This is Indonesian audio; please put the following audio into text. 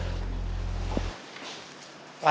terima kasih pak